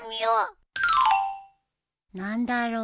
何だろう